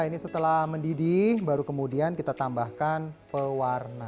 ini setelah mendidih baru kemudian kita tambahkan pewarna